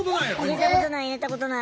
入れたことない入れたことない。